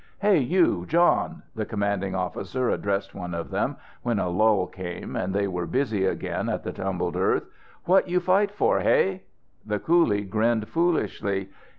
"Hey, you, John!" The commanding officer addressed one of them when a lull came and they were busy again at the tumbled earth. "What you fight for, hey?" The coolie grinned foolishly.